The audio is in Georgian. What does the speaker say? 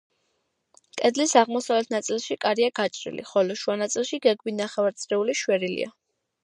კედლის აღმოსავლეთ ნაწილში კარია გაჭრილი, ხოლო შუა ნაწილში გეგმით ნახევარწრიული შვერილია.